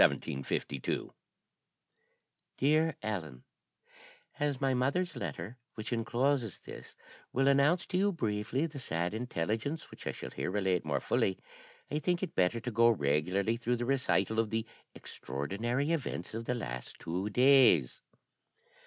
_ "DEAR ELLEN, "As my mother's letter, which encloses this, will announce to you briefly the sad intelligence which I shall here relate more fully, I think it better to go regularly through the recital of the extraordinary events of the last two days.